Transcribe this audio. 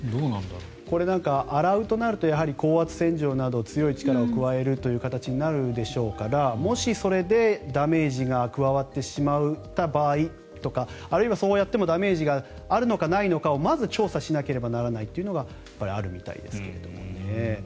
これ、洗うとなると高圧洗浄など強い力を加える形になるでしょうからもしそれでダメージが加わってしまった場合とかあるいは、そうやってもダメージがあるのかないのかをまず調査しなければならないというのがあるみたいですけどね。